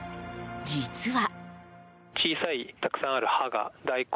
実は。